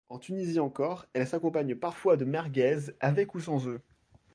En Tunisie encore, elle s'accompagne parfois de merguez, avec ou sans œufs.